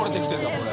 これ））